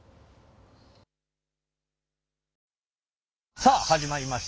さあ始まりました